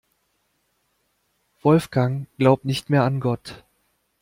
Wolfgang glaubt nicht mehr an Gott.